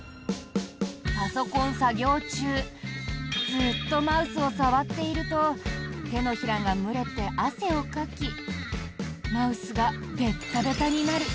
パソコン作業中ずっとマウスを触っていると手のひらが蒸れて汗をかきマウスがベッタベタになる。